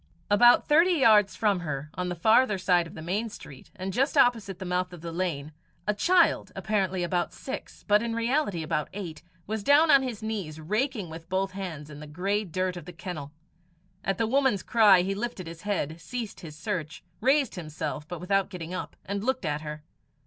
About thirty yards from her, on the farther side of the main street, and just opposite the mouth of the lane, a child, apparently about six, but in reality about eight, was down on his knees raking with both hands in the grey dirt of the kennel. At the woman's cry he lifted his head, ceased his search, raised himself, but without getting up, and looked at her.